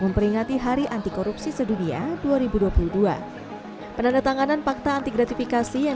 memperingati hari anti korupsi sedunia dua ribu dua puluh dua penandatanganan fakta anti gratifikasi yang